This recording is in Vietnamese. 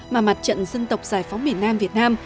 mà mặt trận dân tộc giải phóng miền nam việt nam